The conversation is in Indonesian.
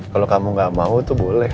kalau kamu nggak mau tuh boleh